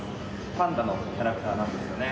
パンダのキャラクターなんですよね。